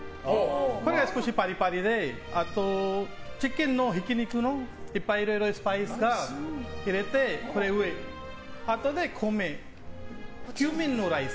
これが少しパリパリでチキンのひき肉のスパイスをいっぱい入れてスパイスを入れて、あとでクミンのライス。